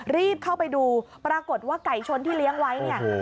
รีบเข้าไปดูปรากฏว่าไก่ชนที่เลี้ยงไว้เนี่ย